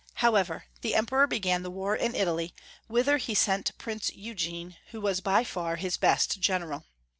However, the Emperor began the war in Italy, whither he sent Prince Eugene, who was by far his best general.